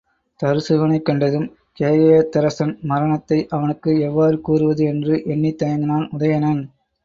தருசகனைக் கண்டதும் கேகயத்தரசன் மரணத்தை அவனுக்கு எவ்வாறு கூறுவது என்று எண்ணித் தயங்கினான் உதயணன்.